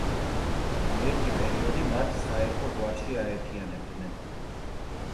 ერთი პერიოდი მათ საერთო გვარში აერთიანებდნენ.